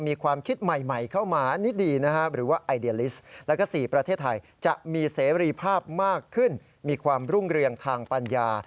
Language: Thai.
มีความรุ่งเรียงมากขึ้นมีความรุ่งเรียงทางปัญญา